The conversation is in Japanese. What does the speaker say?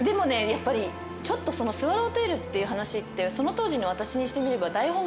やっぱり『スワロウテイル』っていう話ってその当時の私にしてみれば。